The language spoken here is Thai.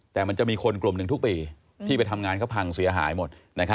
แต่มันจะมีคนกลุ่มหนึ่งทุกปีที่ไปทำงานเขาพังเสียหายหมด